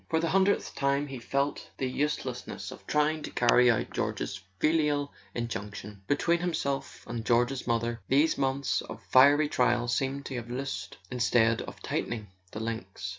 For the hundredth time he felt the uselessness of trying to carry out George's filial injunction: between himself and George's mother these months of fiery trial seemed to have loosed instead of tightening the links.